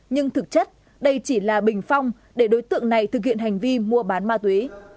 nhưng thực chất đây chỉ là bình phong để đối tượng này thực hiện hành vi mua bán ma túy